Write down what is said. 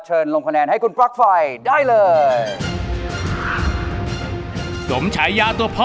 ลงคะแนนให้คุณปลั๊กไฟได้เลย